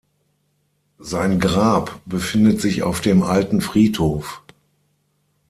Sein Grab befindet sich auf dem "Alten Friedhof".